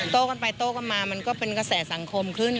โต้กันไปโต้กันมามันก็เป็นกระแสสังคมขึ้น